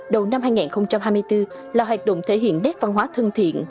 đầu năm hai nghìn hai mươi bốn là hoạt động thể hiện nét văn hóa thân thiện